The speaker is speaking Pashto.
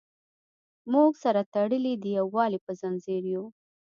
موږ سره تړلي د یووالي په زنځیر یو.